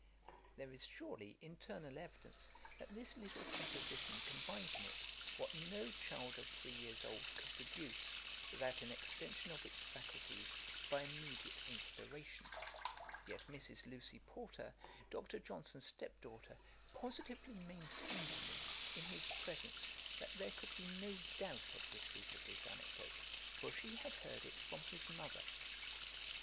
There is surely internal evidence that this little composition combines in it, what no child of three years old could produce, without an extension of its faculties by immediate inspiration; yet Mrs. Lucy Porter, Dr. Johnson's step daughter, positively maintained to me, in his presence, that there could be no doubt of the truth of this anecdote, for she had heard it from his mother.